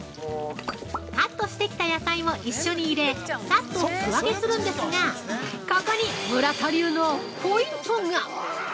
◆カットしてきた野菜も一緒に入れ、サッと素揚げするんですがここに村田流のポイントが！